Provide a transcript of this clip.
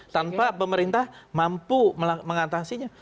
tanpa pemerintah mampu mengatasinya